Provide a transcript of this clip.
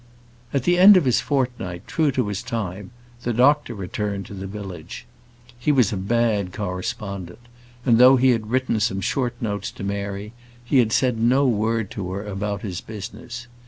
At the end of his fortnight, true to his time, the doctor returned to the village. He was a bad correspondent; and though he had written some short notes to Mary, he had said no word to her about his business.